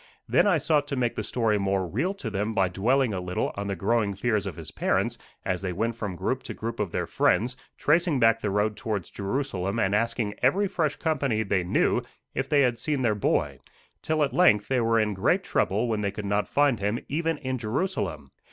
Then I sought to make the story more real to them by dwelling a little on the growing fears of his parents as they went from group to group of their friends, tracing back the road towards Jerusalem and asking every fresh company they knew if they had seen their boy, till at length they were in great trouble when they could not find him even in Jerusalem.